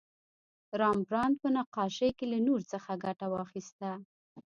رامبراند په نقاشۍ کې له نور څخه ګټه واخیسته.